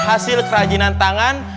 hasil kerajinan tangan